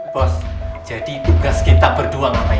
bos jadi tugas kita berdua ngapain lagi